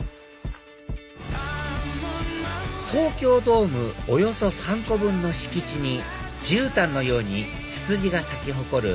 東京ドームおよそ３個分の敷地にじゅうたんのようにツツジが咲き誇る